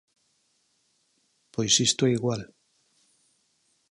Pois isto é igual.